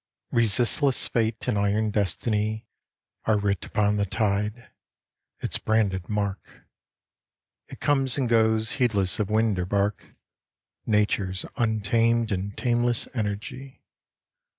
Resistless fate and iron destiny Are writ upon the tide its branded mark. It comes and goes heedless of wind or bark, Nature's untamed and tameless energy.